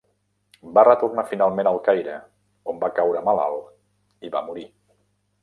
Va retornar finalment al Caire on va caure malalt i va morir.